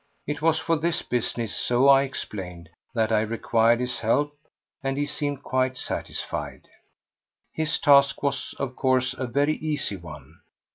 It was for this business—so I explained—that I required his help, and he seemed quite satisfied. His task was, of course, a very easy one.